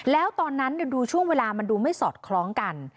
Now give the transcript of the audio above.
แล้วตอนนั้นดูช่วงเวลามันดูไม่สอดคล้องกัน